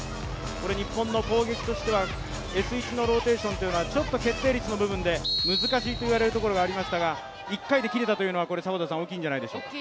日本の攻撃としてはＳ１のローテーションは決定率の部分で難しいと言われるところがありましたが１回で切れたというのは大きいんじゃないでしょうか。